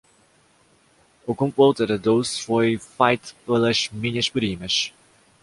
A compota de doce foi feita pelas minhas primas